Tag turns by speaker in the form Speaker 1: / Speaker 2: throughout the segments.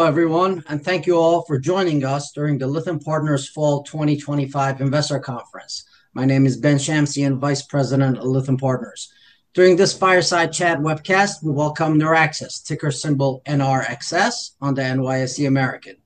Speaker 1: Hello everyone, and thank you all for joining us during the Lytham Partners Fall 2025 Investor Conference. My name is Ben Shamsian, and I'm Vice President of Lytham Partners. During this Fireside Chat webcast, we welcome NeurAxis, ticker symbol NRXS, on the NYSE American.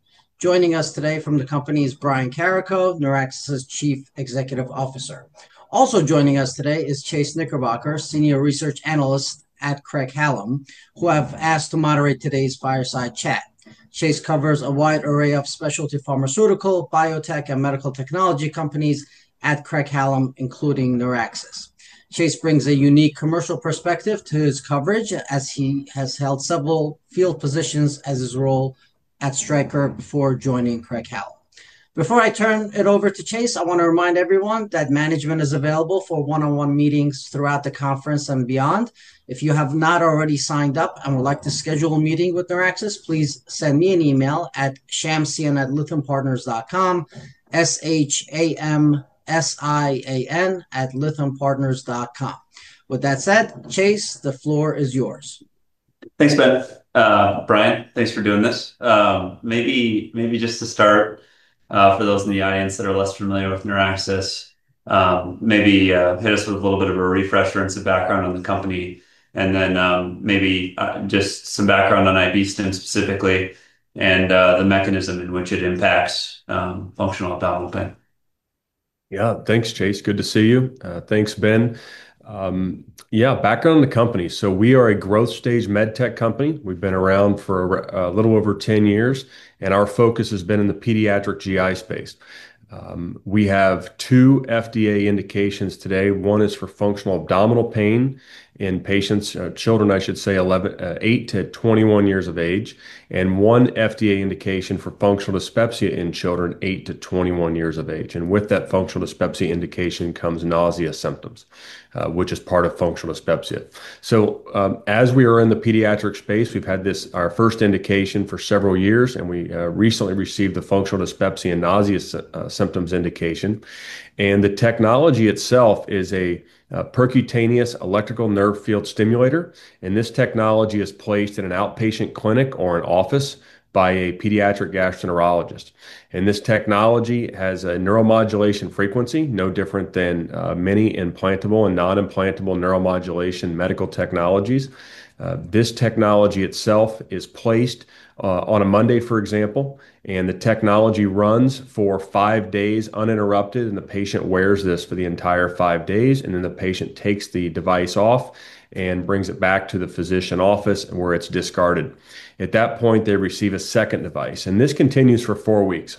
Speaker 1: Joining us today from the company is Brian Carrico, NeurAxis's Chief Executive Officer. Also joining us today is Chase Knickerbocker, Senior Research Analyst at Craig-Hallum, who I've asked to moderate today's Fireside Chat. Chase covers a wide array of specialty pharmaceutical, biotech, and medical technology companies at Craig-Hallum, including NeurAxis. Chase brings a unique commercial perspective to his coverage as he has held several field positions in his role at Stryker before joining Craig-Hallum. Before I turn it over to Chase, I want to remind everyone that management is available for one-on-one meetings throughout the conference and beyond. If you have not already signed up and would like to schedule a meeting with NeurAxis, please send me an email at shamsian@lythampartners.com. With that said, Chase, the floor is yours.
Speaker 2: Thanks, Ben. Brian, thanks for doing this. Maybe just to start, for those in the audience that are less familiar with NeurAxis, maybe hit us with a little bit of a refresher and some background on the company, and then maybe just some background on IB-Stim specifically and the mechanism in which it impacts functional abdominal pain.
Speaker 3: Yeah, thanks, Chase. Good to see you. Thanks, Ben. Yeah, background on the company. We are a growth-stage medtech company. We've been around for a little over 10 years, and our focus has been in the pediatric GI space. We have two FDA indications today. One is for functional abdominal pain in patients, children, I should say, 8-21 years of age, and one FDA indication for functional dyspepsia in children 8-21 years of age. With that functional dyspepsia indication comes nausea symptoms, which is part of functional dyspepsia. As we are in the pediatric space, we've had our first indication for several years, and we recently received the functional dyspepsia and nausea symptoms indication. The technology itself is a percutaneous electrical nerve field stimulator, and this technology is placed in an outpatient clinic or an office by a pediatric gastroenterologist. This technology has a neuromodulation frequency, no different than many implantable and non-implantable neuromodulation medical technologies. This technology itself is placed on a Monday, for example, and the technology runs for five days uninterrupted, and the patient wears this for the entire five days. The patient takes the device off and brings it back to the physician's office where it's discarded. At that point, they receive a second device, and this continues for four weeks.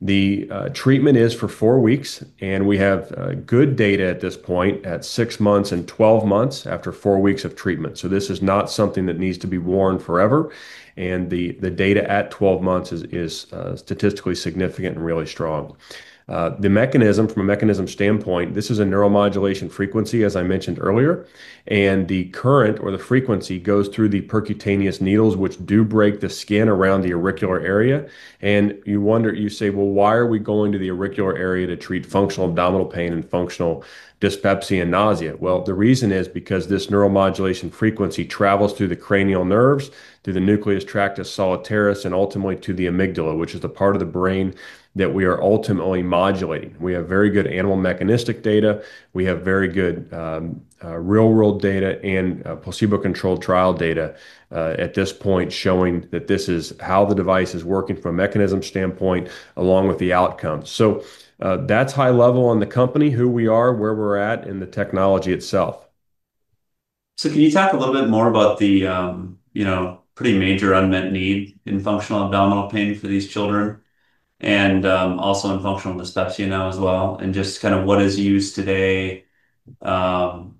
Speaker 3: The treatment is for four weeks, and we have good data at this point at six months and 12 months after four weeks of treatment. This is not something that needs to be worn forever, and the data at 12 months is statistically significant and really strong. From a mechanism standpoint, this is a neuromodulation frequency, as I mentioned earlier, and the current or the frequency goes through the percutaneous needles, which do break the skin around the auricular area. You wonder, you say, why are we going to the auricular area to treat functional abdominal pain and functional dyspepsia and nausea? The reason is because this neuromodulation frequency travels through the cranial nerves, through the nucleus tractus solitarius, and ultimately to the amygdala, which is the part of the brain that we are ultimately modulating. We have very good animal mechanistic data. We have very good real-world data and placebo-controlled trial data at this point showing that this is how the device is working from a mechanism standpoint, along with the outcomes. That's high level on the company, who we are, where we're at, and the technology itself.
Speaker 2: Can you talk a little bit more about the pretty major unmet need in functional abdominal pain for these children and also in functional dyspepsia now as well, and just kind of what is used today, kind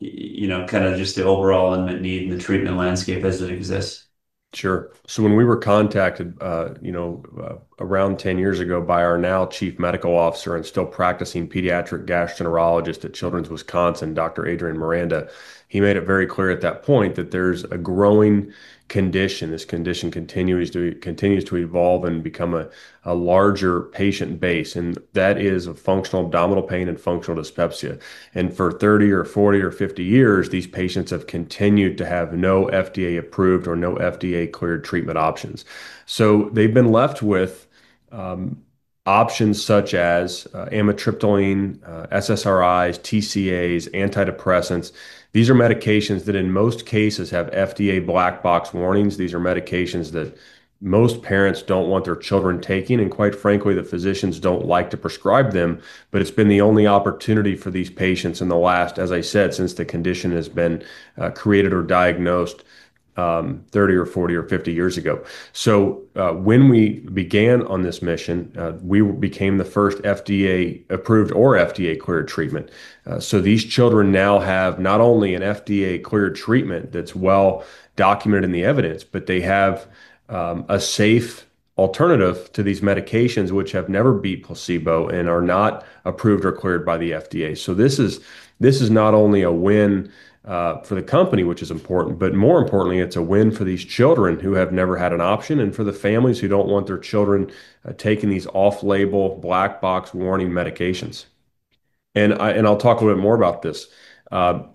Speaker 2: of just the overall unmet need in the treatment landscape as it exists?
Speaker 3: Sure. When we were contacted around 10 years ago by our now Chief Medical Officer and still practicing pediatric gastroenterologist at Children's Wisconsin, Dr. Adrian Miranda, he made it very clear at that point that there's a growing condition. This condition continues to evolve and become a larger patient base, and that is functional abdominal pain and functional dyspepsia. For 30 or 40 or 50 years, these patients have continued to have no FDA-approved or no FDA-cleared treatment options. They've been left with options such as amitriptyline, SSRIs, TCAs, antidepressants. These are medications that in most cases have FDA black box warnings. These are medications that most parents don't want their children taking, and quite frankly, the physicians don't like to prescribe them. It's been the only opportunity for these patients in the last, as I said, since the condition has been created or diagnosed 30 or 40 or 50 years ago. When we began on this mission, we became the first FDA-approved or FDA-cleared treatment. These children now have not only an FDA-cleared treatment that's well documented in the evidence, but they have a safe alternative to these medications, which have never beat placebo and are not approved or cleared by the FDA. This is not only a win for the company, which is important, but more importantly, it's a win for these children who have never had an option and for the families who don't want their children taking these off-label black box warning medications. I'll talk a little bit more about this.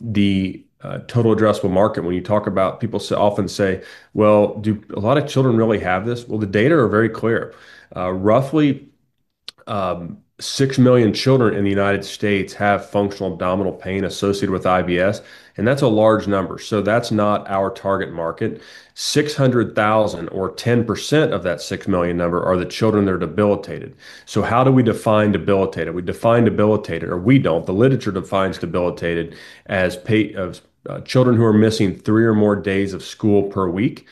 Speaker 3: The total addressable market, when you talk about, people often say, do a lot of children really have this? The data are very clear. Roughly 6 million children in the U.S. have functional abdominal pain associated with IBS, and that's a large number. That's not our target market. 600,000 or 10% of that 6 million number are the children that are debilitated. How do we define debilitated? We define debilitated, or we don't. The literature defines debilitated as children who are missing three or more days of school per week.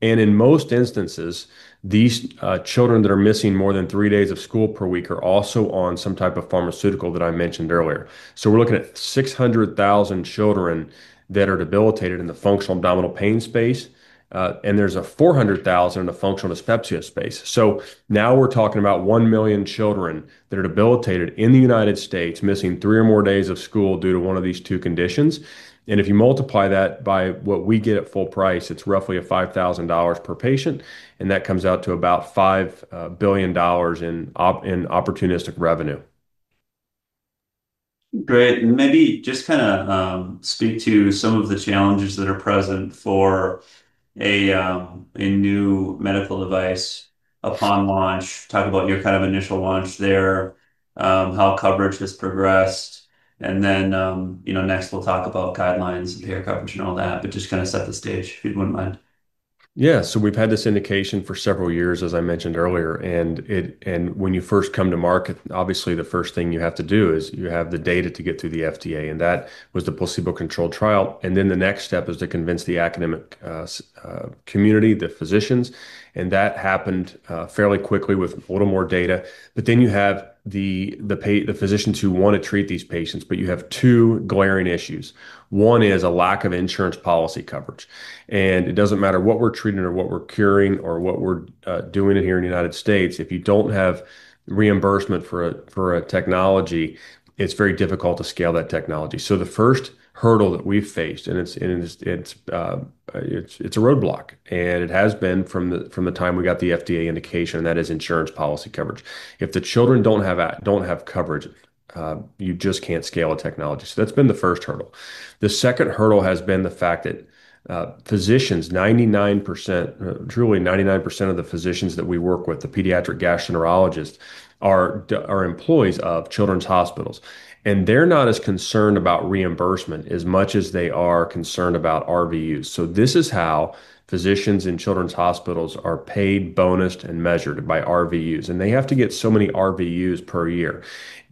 Speaker 3: In most instances, these children that are missing more than three days of school per week are also on some type of pharmaceutical that I mentioned earlier. We're looking at 600,000 children that are debilitated in the functional abdominal pain space, and there's 400,000 in the functional dyspepsia space. Now we're talking about 1 million children that are debilitated in the U.S., missing three or more days of school due to one of these two conditions. If you multiply that by what we get at full price, it's roughly $5,000 per patient, and that comes out to about $5 billion in opportunistic revenue.
Speaker 2: Great. Maybe just kind of speak to some of the challenges that are present for a new medical device upon launch. Talk about your kind of initial launch there, how coverage has progressed, and next we'll talk about guidelines and payer coverage and all that, but just kind of set the stage if you wouldn't mind.
Speaker 3: Yeah, so, we've had this indication for several years, as I mentioned earlier. When you first come to market, obviously the first thing you have to do is you have the data to get through the FDA, and that was the placebo-controlled trial. The next step is to convince the academic community, the physicians, and that happened fairly quickly with a little more data. You have the physicians who want to treat these patients, but you have two glaring issues. One is a lack of insurance policy coverage, and it doesn't matter what we're treating or what we're curing or what we're doing here in the U.S., if you don't have reimbursement for a technology, it's very difficult to scale that technology. The first hurdle that we've faced, and it's a roadblock, and it has been from the time we got the FDA indication, is insurance policy coverage. If the children don't have coverage, you just can't scale a technology. That's been the first hurdle. The second hurdle has been the fact that physicians, 99%, truly, 99% of the physicians that we work with, the pediatric gastroenterologists, are employees of children's hospitals, and they're not as concerned about reimbursement as much as they are concerned about RVUs. This is how physicians in children's hospitals are paid, bonused, and measured by RVUs, and they have to get so many RVUs per year.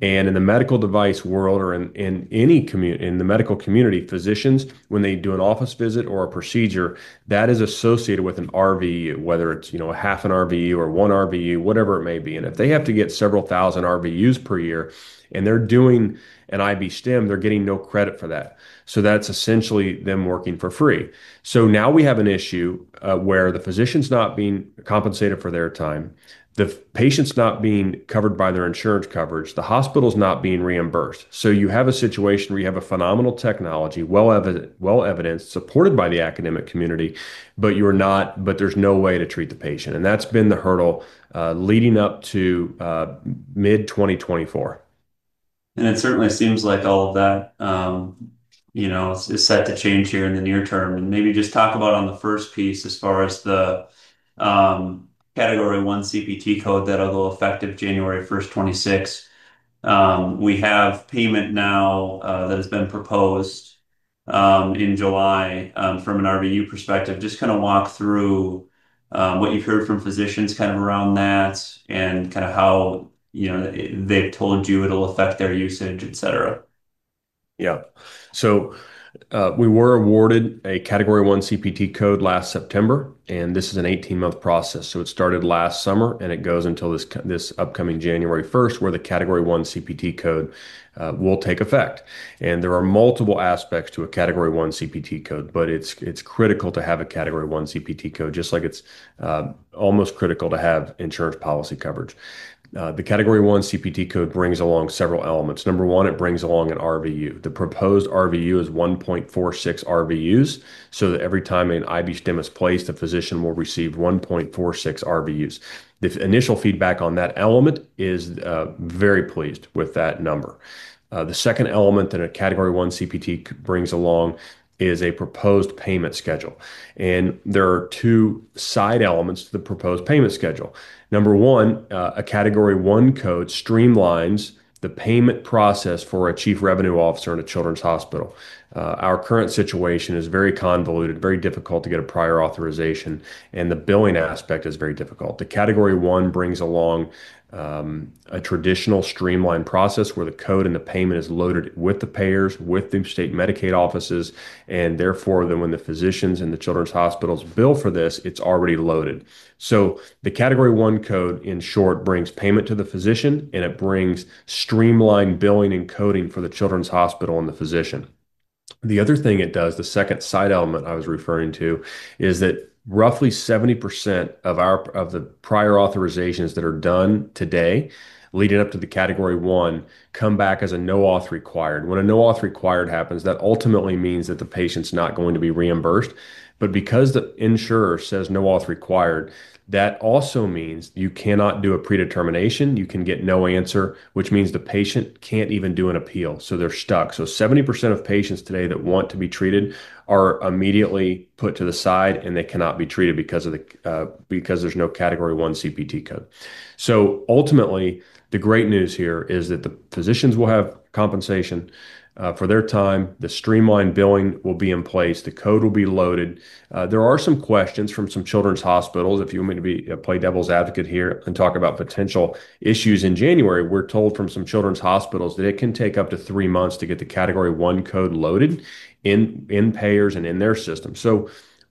Speaker 3: In the medical device world or in the medical community, physicians, when they do an office visit or a procedure, that is associated with an RVU, whether it's, you know, a half an RVU or one RVU, whatever it may be. If they have to get several thousand RVUs per year, and they're doing an IB-Stim, they're getting no credit for that. That's essentially them working for free. Now we have an issue where the physician's not being compensated for their time, the patient's not being covered by their insurance coverage, the hospital's not being reimbursed. You have a situation where you have a phenomenal technology, well evidenced, supported by the academic community, but there's no way to treat the patient. That's been the hurdle leading up to mid-2024.
Speaker 2: It certainly seems like all of that is set to change here in the near term. Maybe just talk about on the first piece as far as the Category I CPT code that will go effective January 1st, 2026. We have payment now that has been proposed in July from an RVU perspective. Just kind of walk through what you've heard from physicians around that and how they've told you it'll affect their usage, et cetera.
Speaker 3: Yeah. We were awarded a Category I CPT code last September, and this is an 18-month process. It started last summer, and it goes until this upcoming January 1st, where the Category I CPT code will take effect. There are multiple aspects to a Category I CPT code, but it's critical to have a Category I CPT code, just like it's almost critical to have insurance policy coverage. The Category I CPT code brings along several elements. Number one, it brings along an RVU. The proposed RVU is 1.46 RVUs, so that every time an IB-Stim is placed, the physician will receive 1.46 RVUs. The initial feedback on that element is very pleased with that number. The second element that a Category I CPT brings along is a proposed payment schedule. There are two side elements to the proposed payment schedule. Number one, a Category I code streamlines the payment process for a Chief Revenue Officer in a children's hospital. Our current situation is very convoluted, very difficult to get a prior authorization, and the billing aspect is very difficult. The Category I brings along a traditional streamlined process where the code and the payment is loaded with the payers, with the state Medicaid offices, and therefore when the physicians and the children's hospitals bill for this, it's already loaded. The Category I code, in short, brings payment to the physician, and it brings streamlined billing and coding for the children's hospital and the physician. The other thing it does, the second side element I was referring to, is that roughly 70% of the prior authorizations that are done today leading up to the Category I come back as a no-auth required. When a no-auth required happens, that ultimately means that the patient's not going to be reimbursed. Because the insurer says no-auth required, that also means you cannot do a predetermination. You can get no answer, which means the patient can't even do an appeal. They're stuck. 70% of patients today that want to be treated are immediately put to the side, and they cannot be treated because there's no Category I CPT code. Ultimately, the great news here is that the physicians will have compensation for their time. The streamlined billing will be in place. The code will be loaded. There are some questions from some children's hospitals. If you want me to play devil's advocate here and talk about potential issues in January, we're told from some children's hospitals that it can take up to three months to get the Category I CPT code loaded in payers and in their system.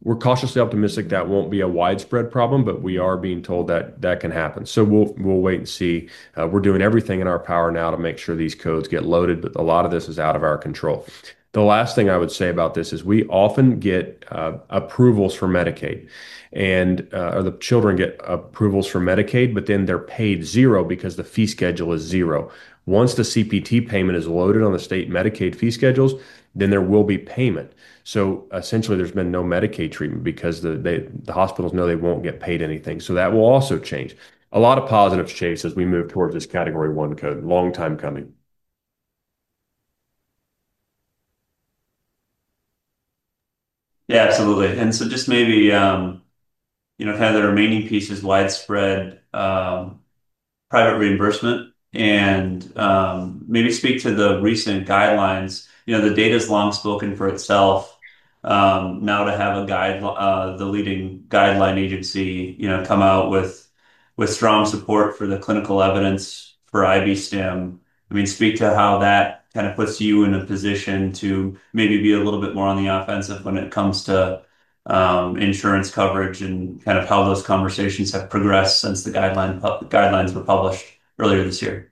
Speaker 3: We're cautiously optimistic that won't be a widespread problem, but we are being told that that can happen. We'll wait and see. We're doing everything in our power now to make sure these codes get loaded, but a lot of this is out of our control. The last thing I would say about this is we often get approvals for Medicaid, and the children get approvals for Medicaid, but then they're paid zero because the fee schedule is zero. Once the CPT payment is loaded on the state Medicaid fee schedules, then there will be payment. Essentially, there's been no Medicaid treatment because the hospitals know they won't get paid anything. That will also change. A lot of positives changed as we move towards this Category I CPT code. Long time coming.
Speaker 2: Absolutely. Just maybe, you know, if I had the remaining pieces widespread, private reimbursement, and maybe speak to the recent guidelines. The data's long spoken for itself. Now to have a guide, the leading guideline agency, you know, come out with strong support for the clinical evidence for IB-Stim. Speak to how that kind of puts you in a position to maybe be a little bit more on the offensive when it comes to insurance coverage and kind of how those conversations have progressed since the guidelines were published earlier this year.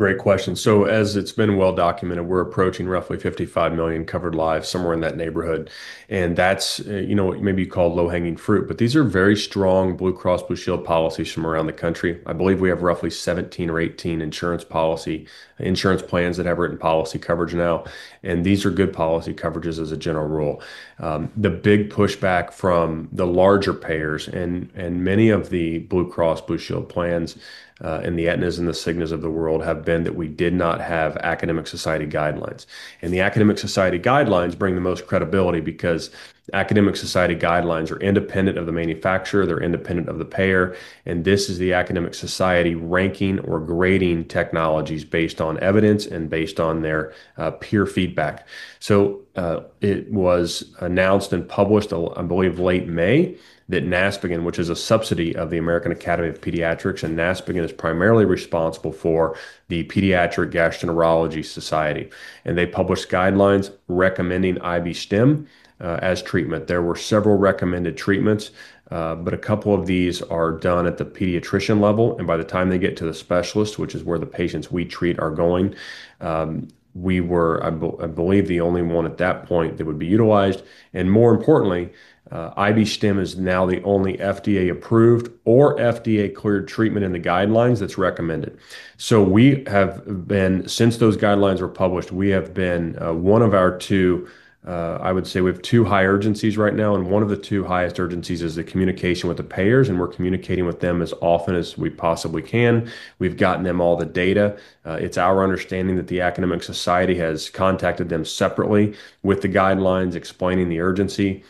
Speaker 3: Great question. As it's been well documented, we're approaching roughly 55 million covered lives, somewhere in that neighborhood. That's what may be called low-hanging fruit, but these are very strong Blue Cross Blue Shield policies from around the country. I believe we have roughly 17 or 18 insurance plans that have written policy coverage now. These are good policy coverages as a general rule. The big pushback from the larger payers and many of the Blue Cross Blue Shield plans and the Aetnas and the Cignas of the world has been that we did not have academic society guidelines. The academic society guidelines bring the most credibility because academic society guidelines are independent of the manufacturer, they're independent of the payer, and this is the academic society ranking or grading technologies based on evidence and based on their peer feedback. It was announced and published, I believe, late May, that NASPGHAN, which is a subsidiary of the American Academy of Pediatrics, and NASPGHAN is primarily responsible for the Pediatric Gastroenterology Society. They published guidelines recommending IB-Stim as treatment. There were several recommended treatments, but a couple of these are done at the pediatrician level, and by the time they get to the specialist, which is where the patients we treat are going, we were, I believe, the only one at that point that would be utilized. More importantly, IB-Stim is now the only FDA-cleared treatment in the guidelines that's recommended. Since those guidelines were published, we have been, one of our two, I would say we have two high urgencies right now, and one of the two highest urgencies is the communication with the payers, and we're communicating with them as often as we possibly can. We've gotten them all the data. It's our understanding that the academic society has contacted them separately with the guidelines explaining the urgency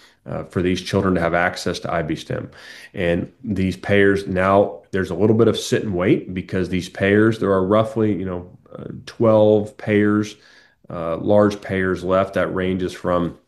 Speaker 3: for these children to have access to IB-Stim. These payers now, there's a little bit of sit and wait because these payers, there are roughly 12 payers, large payers left that range from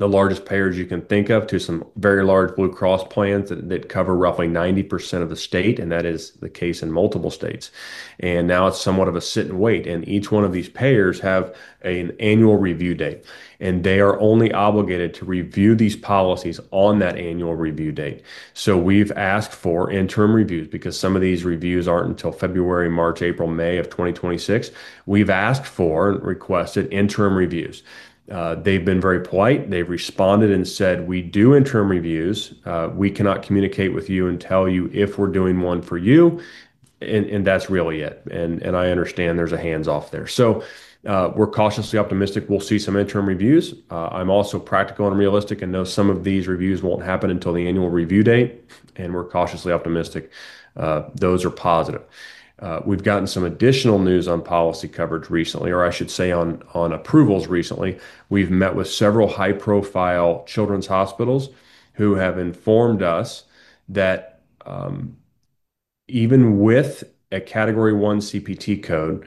Speaker 3: the largest payers you can think of to some very large Blue Cross plans that cover roughly 90% of the state, and that is the case in multiple states. It is somewhat of a sit and wait, and each one of these payers has an annual review date, and they are only obligated to review these policies on that annual review date. We have asked for interim reviews because some of these reviews are not until February, March, April, May of 2026. We have asked for, requested interim reviews. They have been very polite. They have responded and said, "We do interim reviews. We cannot communicate with you and tell you if we are doing one for you." That is really it. I understand there is a hands-off there. We are cautiously optimistic we will see some interim reviews. I am also practical and realistic and know some of these reviews will not happen until the annual review date, and we are cautiously optimistic those are positive. We have gotten some additional news on policy coverage recently, or I should say on approvals recently. We have met with several high-profile children's hospitals who have informed us that even with a Category I CPT code,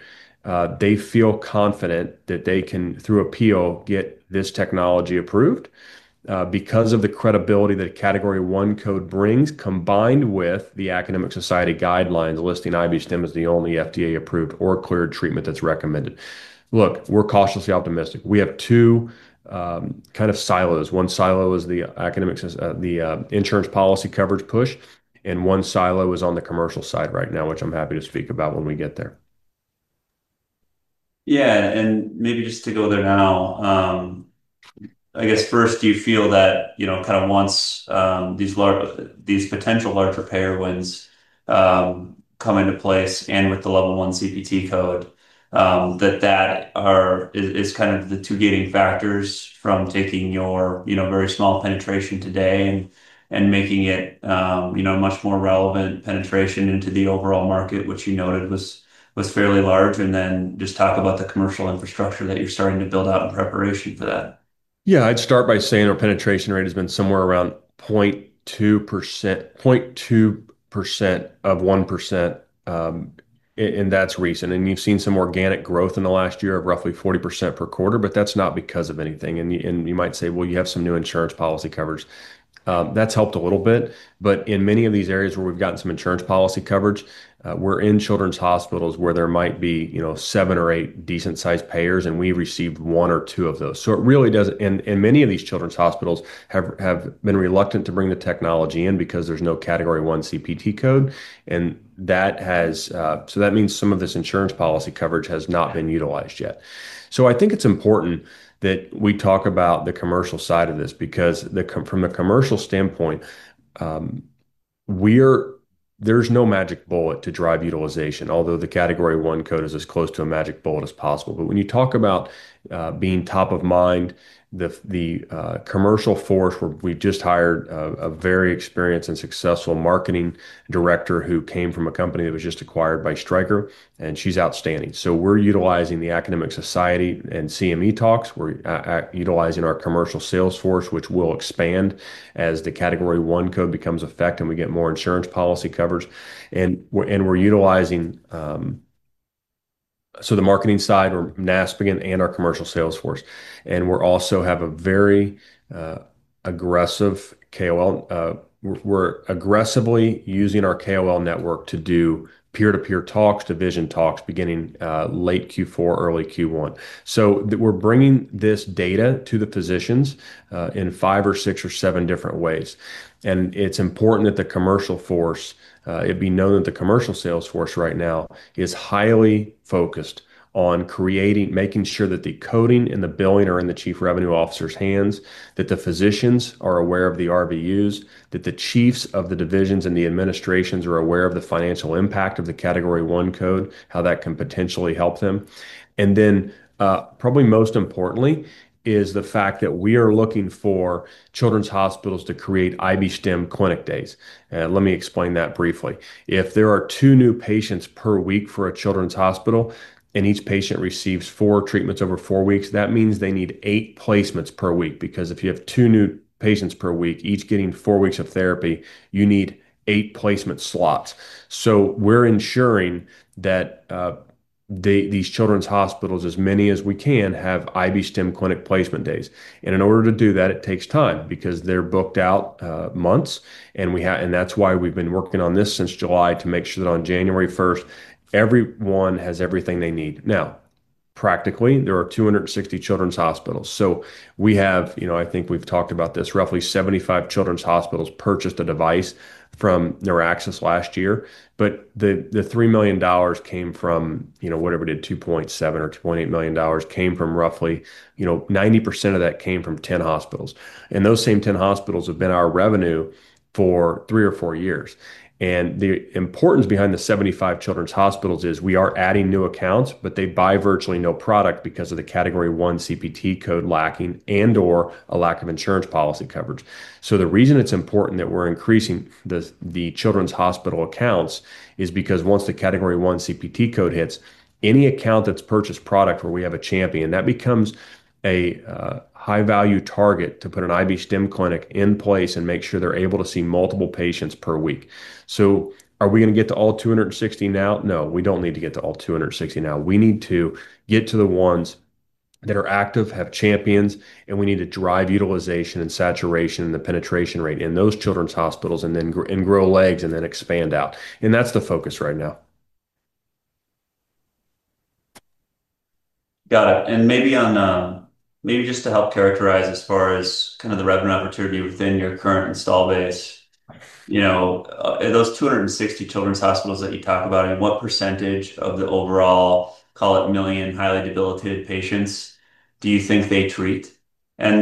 Speaker 3: they feel confident that they can, through appeal, get this technology approved because of the credibility that a Category I code brings, combined with the academic society guidelines listing IB-Stim as the only FDA-cleared treatment that is recommended. We are cautiously optimistic. We have two kind of silos. One silo is the academic insurance policy coverage push, and one silo is on the commercial side right now, which I am happy to speak about when we get there.
Speaker 2: Yeah, maybe just to go there now, I guess first, do you feel that, you know, kind of once these potential larger payer wins come into place and with the Category I CPT code, that that is kind of the two gating factors from taking your, you know, very small penetration today and making it, you know, much more relevant penetration into the overall market, which you noted was fairly large? Just talk about the commercial infrastructure that you're starting to build out in preparation for that.
Speaker 3: Yeah, I'd start by saying our penetration rate has been somewhere around 0.2% of 1%, and that's recent. You've seen some organic growth in the last year of roughly 40% per quarter, but that's not because of anything. You might say, you have some new insurance policy coverage. That's helped a little bit, but in many of these areas where we've gotten some insurance policy coverage, we're in children's hospitals where there might be, you know, seven or eight decent-sized payers, and we've received one or two of those. It really does, and many of these children's hospitals have been reluctant to bring the technology in because there's no Category I CPT code, and that means some of this insurance policy coverage has not been utilized yet. I think it's important that we talk about the commercial side of this because from the commercial standpoint, there's no magic bullet to drive utilization, although the Category I code is as close to a magic bullet as possible. When you talk about being top of mind, the commercial force, we just hired a very experienced and successful Marketing Director who came from a company that was just acquired by Stryker, and she's outstanding. We're utilizing the academic society and CME talks. We're utilizing our commercial sales force, which will expand as the Category I code becomes effective and we get more insurance policy coverage. We're utilizing the marketing side or NASPGHAN and our commercial sales force, and we also have a very aggressive KOL. We're aggressively using our KOL network to do peer-to-peer talks, division talks beginning late Q4, early Q1. We're bringing this data to the physicians in five or six or seven different ways. It's important that the commercial force, it'd be known that the commercial sales force right now is highly focused on creating, making sure that the coding and the billing are in the Chief Revenue Officer's hands, that the physicians are aware of the RVUs, that the chiefs of the divisions and the administrations are aware of the financial impact of the Category I code, how that can potentially help them. Probably most importantly is the fact that we are looking for children's hospitals to create IB-Stim clinic days. Let me explain that briefly. If there are two new patients per week for a children's hospital, and each patient receives four treatments over four weeks, that means they need eight placements per week because if you have two new patients per week, each getting four weeks of therapy, you need eight placement slots. We're ensuring that these children's hospitals, as many as we can, have IB-Stim clinic placement days. In order to do that, it takes time because they're booked out months, and that's why we've been working on this since July to make sure that on January 1st, everyone has everything they need. Practically, there are 260 children's hospitals. I think we've talked about this, roughly 75 children's hospitals purchased a device from NeurAxis last year, but the $3 million came from, you know, whatever it did, $2.7 or $2.8 million came from roughly, you know, 90% of that came from 10 hospitals. Those same 10 hospitals have been our revenue for three or four years. The importance behind the 75 children's hospitals is we are adding new accounts, but they buy virtually no product because of the Category I CPT code lacking and/or a lack of insurance policy coverage. The reason it's important that we're increasing the children's hospital accounts is because once the Category I CPT code hits, any account that's purchased product where we have a champion, that becomes a high-value target to put an IB-Stim clinic in place and make sure they're able to see multiple patients per week. Are we going to get to all 260 now? No, we don't need to get to all 260 now. We need to get to the ones that are active, have champions, and we need to drive utilization and saturation and the penetration rate in those children's hospitals and then grow legs and then expand out. That's the focus right now.
Speaker 2: Got it. Maybe just to help characterize as far as the revenue opportunity within your current install base, those 260 children's hospitals that you talk about, what percentage of the overall, call it, million highly debilitated patients do you think they treat? Taking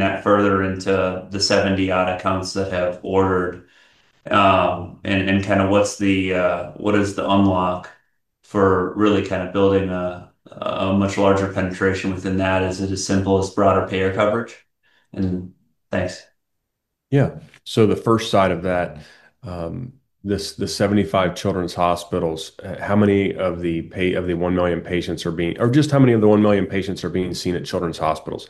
Speaker 2: that further into the 70 odd accounts that have ordered, what's the unlock for really building a much larger penetration within that? Is it as simple as broader payer coverage? Thanks.
Speaker 3: Yeah, so the first side of that, the 75 children's hospitals, how many of the one million patients are being, or just how many of the one million patients are being seen at children's hospitals?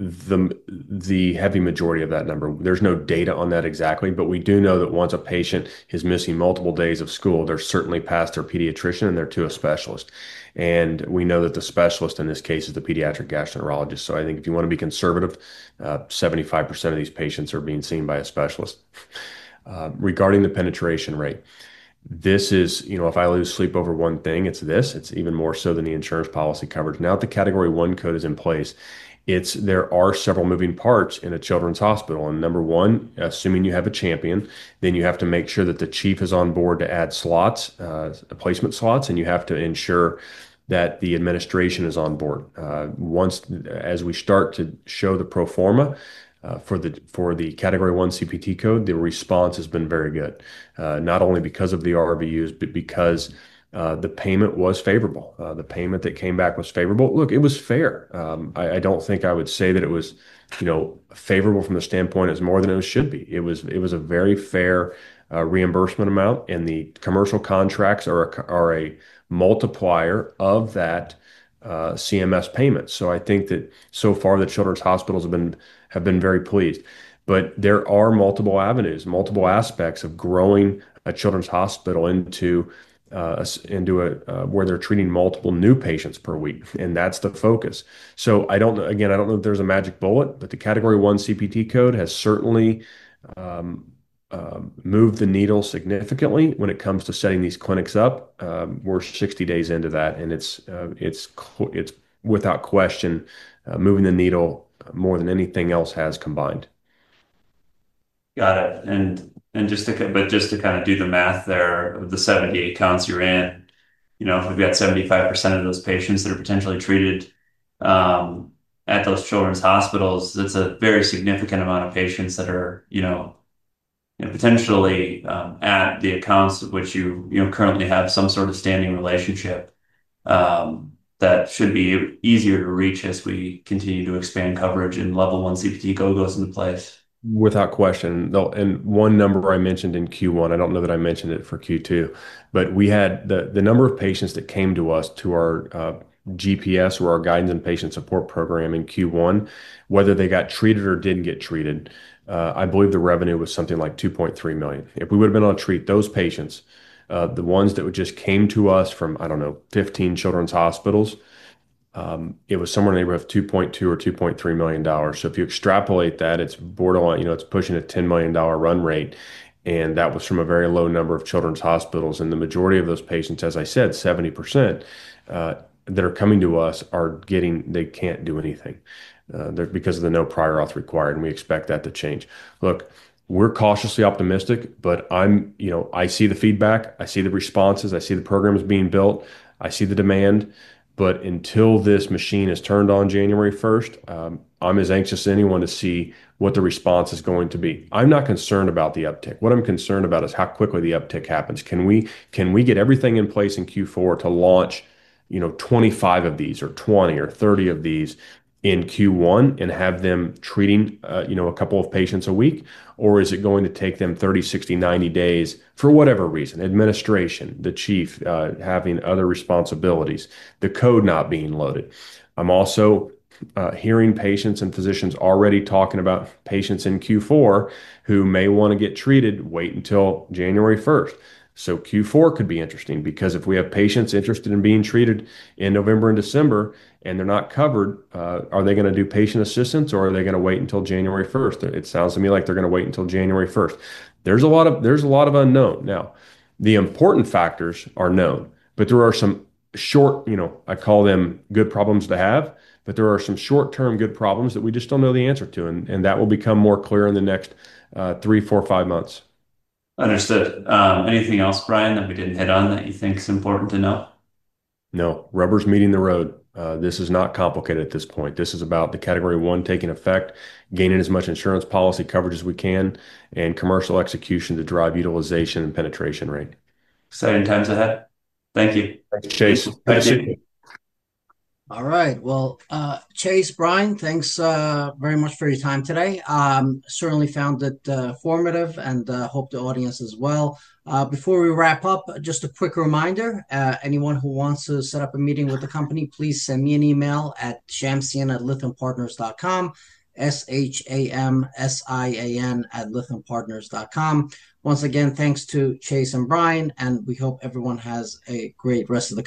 Speaker 3: The heavy majority of that number, there's no data on that exactly, but we do know that once a patient is missing multiple days of school, they're certainly past their pediatrician and they're to a specialist. We know that the specialist in this case is the pediatric gastroenterologist. I think if you want to be conservative, 75% of these patients are being seen by a specialist. Regarding the penetration rate, this is, you know, if I lose sleep over one thing, it's this, it's even more so than the insurance policy coverage. Now that the Category I code is in place, there are several moving parts in a children's hospital. Number one, assuming you have a champion, then you have to make sure that the Chief is on board to add slots, placement slots, and you have to ensure that the administration is on board. Once, as we start to show the pro forma for the Category I CPT code, the response has been very good. Not only because of the RVUs, but because the payment was favorable. The payment that came back was favorable. Look, it was fair. I don't think I would say that it was, you know, favorable from the standpoint as more than it should be. It was a very fair reimbursement amount, and the commercial contracts are a multiplier of that CMS payment. I think that so far the children's hospitals have been very pleased. There are multiple avenues, multiple aspects of growing a children's hospital into where they're treating multiple new patients per week, and that's the focus. I don't know, again, I don't know if there's a magic bullet, but the Category I CPT code has certainly moved the needle significantly when it comes to setting these clinics up. We're 60 days into that, and it's without question moving the needle more than anything else has combined.
Speaker 2: Got it. Just to kind of do the math there, the 78 accounts you're in, you know, if we've got 75% of those patients that are potentially treated at those children's hospitals, that's a very significant amount of patients that are, you know, potentially at the accounts which you, you know, currently have some sort of standing relationship that should be easier to reach as we continue to expand coverage and Level I CPT code goes into place.
Speaker 3: Without question. One number I mentioned in Q1, I don't know that I mentioned it for Q2, but we had the number of patients that came to us through our GPS or our Guidance and Patient Support Program in Q1, whether they got treated or didn't get treated, I believe the revenue was something like $2.3 million. If we would have been able to treat those patients, the ones that just came to us from, I don't know, 15 children's hospitals, it was somewhere in the neighborhood of $2.2 million-$2.3 million. If you extrapolate that, it's borderline, you know, it's pushing a $10 million run rate, and that was from a very low number of children's hospitals. The majority of those patients, as I said, 70% that are coming to us are getting, they can't do anything because of the no prior auth required, and we expect that to change. Look, we're cautiously optimistic, but I see the feedback, I see the responses, I see the programs being built, I see the demand, but until this machine is turned on January 1st, I'm as anxious as anyone to see what the response is going to be. I'm not concerned about the uptick. What I'm concerned about is how quickly the uptick happens. Can we get everything in place in Q4 to launch, you know, 25 of these or 20 or 30 of these in Q1 and have them treating a couple of patients a week? Or is it going to take them 30, 60, 90 days for whatever reason? Administration, the chief having other responsibilities, the code not being loaded. I'm also hearing patients and physicians already talking about patients in Q4 who may want to get treated, wait until January 1st. Q4 could be interesting because if we have patients interested in being treated in November and December and they're not covered, are they going to do patient assistance or are they going to wait until January 1st? It sounds to me like they're going to wait until January 1st. There's a lot of unknown. The important factors are known, but there are some short, you know, I call them good problems to have, but there are some short-term good problems that we just don't know the answer to, and that will become more clear in the next three, four, five months.
Speaker 2: Understood. Anything else, Brian, that we didn't hit on that you think is important to know?
Speaker 3: No, rubber's meeting the road. This is not complicated at this point. This is about the Category I taking effect, gaining as much insurance policy coverage as we can, and commercial execution to drive utilization and penetration rate.
Speaker 2: Exciting times ahead. Thank you.
Speaker 3: Chase, thank you.
Speaker 1: All right. Chase, Brian, thanks very much for your time today. Certainly found it informative and hope the audience as well. Before we wrap up, just a quick reminder, anyone who wants to set up a meeting with the company, please send me an email at shamsian@lythampartners.com. S-H-A-M-S-I-A-N at lithiumpartners.com. Once again, thanks to Chase and Brian, and we hope everyone has a great rest of the day.